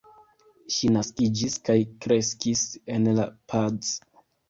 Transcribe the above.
Ŝi naskiĝis kaj kreskis en La Paz.